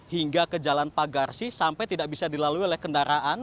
hingga ke jalan pagarsi sampai tidak bisa dilalui oleh kendaraan